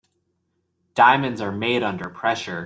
Diamonds are made under pressure.